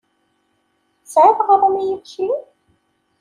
Tesɛiḍ aɣrum i yimekli?